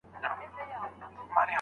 چا چي د دې ياغي انسان په لور قدم ايښی دی